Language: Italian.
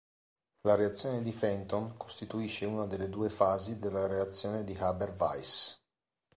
La reazione di Fenton costituisce una delle due fasi della reazione di Haber-Weiss.